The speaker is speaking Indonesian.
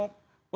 untuk tidak mau